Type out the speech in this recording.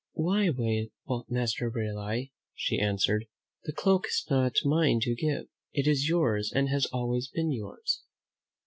"Why, Master Raleigh," she answered, "the cloak is not mine to give; it is yours and has always been yours."